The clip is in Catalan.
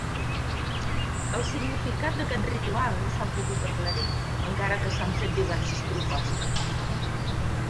El significat d'aquest ritual no s'ha pogut aclarir encara que s'han fet diverses propostes.